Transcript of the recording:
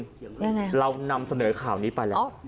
ยังไงเรานำเสนอข่าวนี้ไปแล้ว